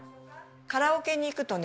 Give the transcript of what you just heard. カラオケに行くとね